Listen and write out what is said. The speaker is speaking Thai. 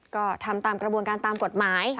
ก็ทำตามกระบวนการตามกฎหมาย